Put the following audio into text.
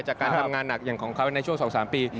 จากการทำงานหนักอย่างของเขาในช่วง๒๓ปี